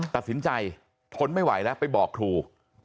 ตัดสินใจทนไม่ไหวแล้วไปบอกครู